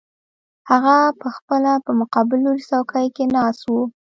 هغه پخپله په مقابل لوري څوکۍ کې ناست و